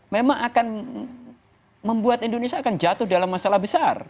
memang akan membuat indonesia akan jatuh dalam masalah besar